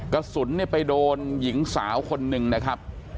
กระสุนเนี่ยไปโดนหญิงสาวคนหนึ่งนะครับ